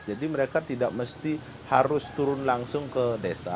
jadi mereka tidak mesti harus turun langsung ke desa